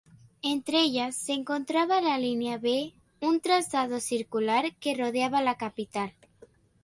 Entre ellas se encontraba la línea B, un trazado circular que rodeaba la capital.